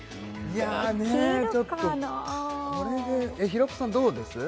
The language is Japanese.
いやちょっとこれで平子さんどうです？